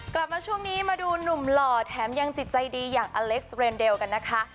กลับมาช่วงนี้มาดูหนุ่มหล่อแถมยังจิตใจดีอย่างอเล็กซ์เรนเดลกันนะคะ